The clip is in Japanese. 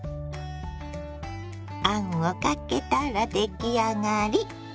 あんをかけたら出来上がり。